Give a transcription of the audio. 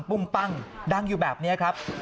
ุ้งปั้งดังอยู่แบบนี้ครับ